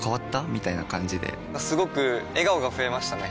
みたいな感じですごく笑顔が増えましたね！